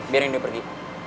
biarin dia pergi